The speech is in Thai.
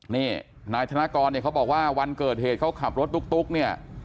นี่นายธนกรเนี่ยเขาบอกว่าวันเกิดเหตุเขาขับรถตุ๊กเนี่ย